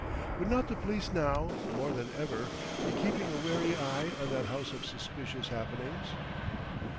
would not the police now, more than ever, be keeping a wary eye on that house of suspicious happenings?